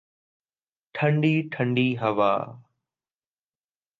ٹھنڈی ٹھنڈی ہوا